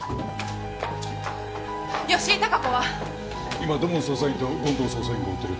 今土門捜査員と権藤捜査員が追ってる。